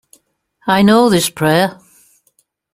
I know this prayer.